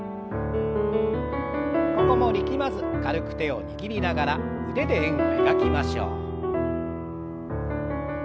ここも力まず軽く手を握りながら腕で円を描きましょう。